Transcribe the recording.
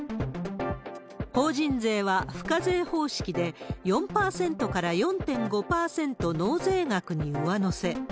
法人税は付加税方式で、４％から４．５％納税額に上乗せ。